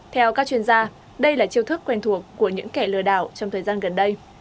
theo các chuyên gia đây là chiêu thức quen thuộc của những kẻ lừa đảo trong thời gian gần đây